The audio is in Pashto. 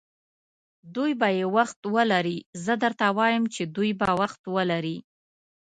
دوی به یې وخت ولري، زه درته وایم چې دوی به وخت ولري.